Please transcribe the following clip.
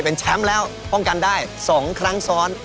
เป็นครั้งแรกที่สามารถเป็น๒สมัยติด